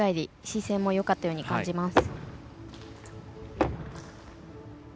姿勢もよかったように感じます。